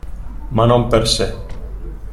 Ma non per sé.